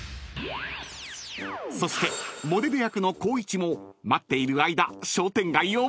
［そしてモデル役の光一も待っている間］